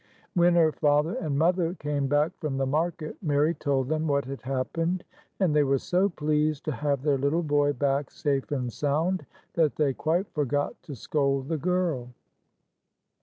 When her father and mother came back from the market, Mary told them what had happened, and they were so pleased to have their little boy back safe and sound, that they quite forgot to scold the girl.